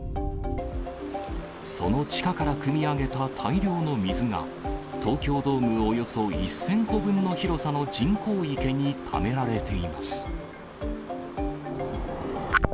その地下からくみ上げた大量の水が、東京ドームおよそ１０００個分の広さの人工池にためられています。